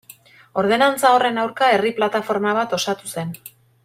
Ordenantza horren aurka, herri plataforma bat osatu zen.